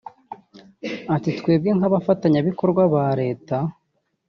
Ati” Twebwe nk’abafatanyabikorwa ba leta